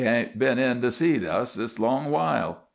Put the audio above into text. He hain't been in to see us this long while."